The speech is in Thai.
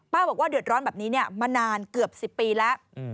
บอกว่าเดือดร้อนแบบนี้มานานเกือบ๑๐ปีแล้ว